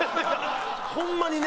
ホンマにね。